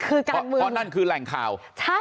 คือเพราะนั่นคือแหล่งข่าว